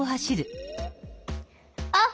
あっ！